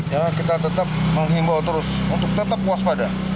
ya kita tetap mengimbau terus untuk tetap puas pada